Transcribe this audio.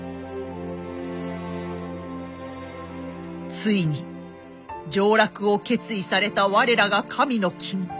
ついに上洛を決意された我らが神の君。